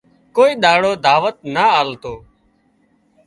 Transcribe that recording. ڪوئي ۮاڙو دعوت نا آلتو